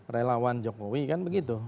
relawan jokowi kan begitu